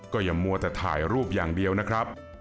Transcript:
ก็อย่ามัวแต่ถ่ายรูปอย่างเดียวนะครับ